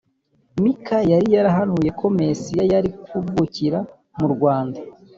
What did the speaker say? Mika yari yarahanuye ko Mesiya yari kuvukira mu rwanda